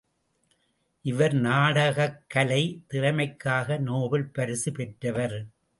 இவர் நாடகக் கலை திறமைக்காக நோபல் பரிசு பெற்றவர்.